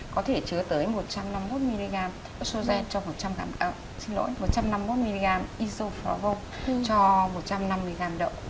có thể chứa tới một trăm năm mươi một mg estrogen cho một trăm linh g ờ xin lỗi một trăm năm mươi một mg isoflavone cho một trăm năm mươi g đậu